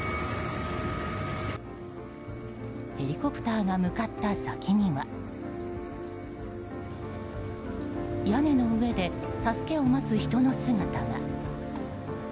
ヘリコプターが向かった先には屋根の上で助けを待つ人の姿が。